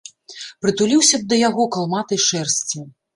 Прытуліўся б да яго калматай шэрсці.